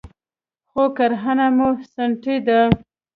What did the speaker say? خو کرهنه مو سنتي ده